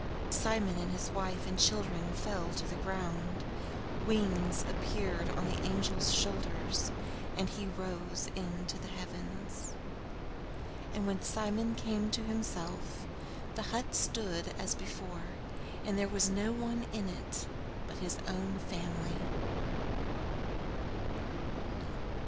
Simon and his wife and children fell to the ground. Wings appeared upon the angel's shoulders, and he rose into the heavens. And when Simon came to himself the hut stood as before, and there was no one in it but his own family.